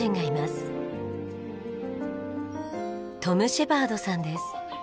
トム・シェパードさんです。